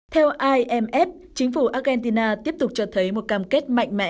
theo imf chính phủ argentina tiếp tục cho thấy một cam kết mạnh mẽ